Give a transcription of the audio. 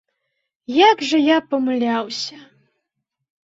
Як жа я памыляўся!